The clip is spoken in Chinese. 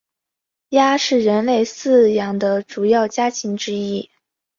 鸭是人类饲养的主要家禽之一。